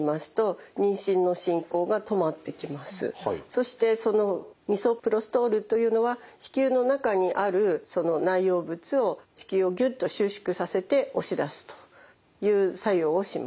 そしてそのミソプロストールというのは子宮の中にあるその内容物を子宮をぎゅっと収縮させて押し出すという作用をします。